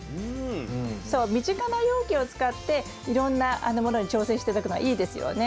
そう身近な容器を使っていろんなものに挑戦して頂くのはいいですよね。